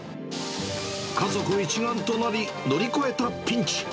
家族一丸となり、乗り越えたピンチ。